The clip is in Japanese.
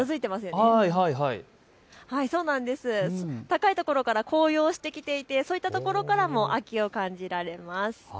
高いところから紅葉してきていてそういったところからも秋を感じられます。